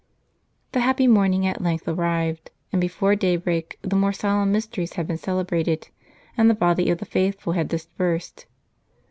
The happy morning at length arrived, and before daybreak the more solemn mysteries had been celebrated, and the body of the faithful had dispersed.